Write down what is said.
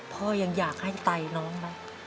พ่อยังอยากให้ไตน้องไหม